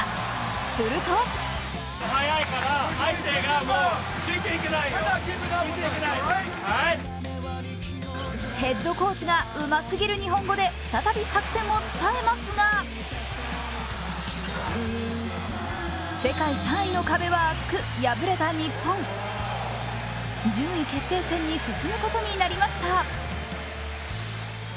するとヘッドコーチがうますぎる日本語で再び作戦を伝えますが世界３位の壁は厚く、敗れた日本順位決定戦に進むことになりました。